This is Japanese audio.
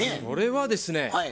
それはですね